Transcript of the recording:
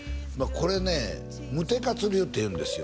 これね無手勝流っていうんですよ